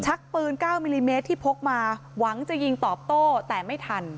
ปืน๙มิลลิเมตรที่พกมาหวังจะยิงตอบโต้แต่ไม่ทัน